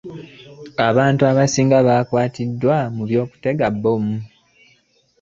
Abantu abasinga bakwatidwa mu byokutega bbomu.